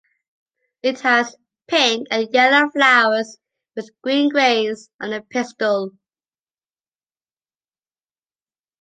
It has pink and yellow flowers with green grains on the pistil.